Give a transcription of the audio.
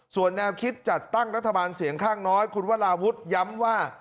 ส่วนแนวคิดจัดตั้งรัฐบาลเสียงข้างน้อยคุณวราวุฒิย้ำว่า